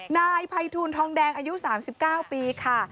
นายภัยทูลทองแดงอายุ๓๙ปีค่ะ